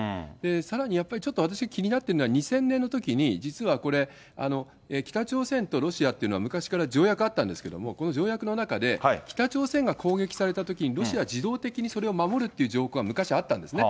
さらにやっぱり、ちょっと私気になってるのは２０００年のときに、実はこれ、北朝鮮とロシアっていうのは、昔から条約あったんですけども、この条約の中で北朝鮮が攻撃されたときに、ロシア、自動的にそれを守るっていう条項が昔あったんですね。